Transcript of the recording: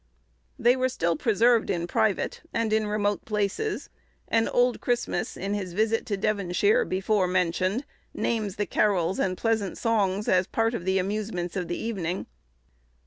They were still preserved in private, and in remote places, and old Christmas, in his visit to Devonshire, before mentioned, names the carols and pleasant songs as part of the amusements of the evening.